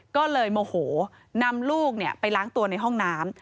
ก็เลยโมโหนำลูกไปล้างตัวในห้องน้ำ